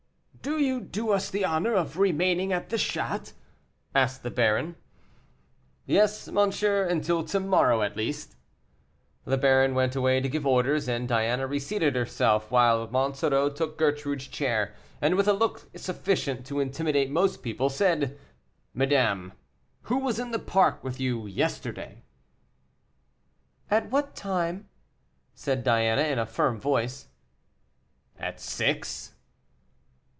"Do you do us the honor of remaining at the chat?" asked the baron. "Yes, monsieur, until to morrow, at least." The baron went away to give orders, and Diana reseated herself, while Monsoreau took Gertrude's chair, and, with a look sufficient to intimidate most people, said: "Madame, who was in the park with you yesterday?" "At what time?" said Diana, in a firm voice. "At six."